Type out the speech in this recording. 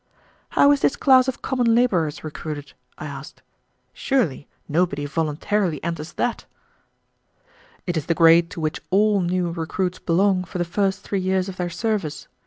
"How is this class of common laborers recruited?" I asked. "Surely nobody voluntarily enters that." "It is the grade to which all new recruits belong for the first three years of their service.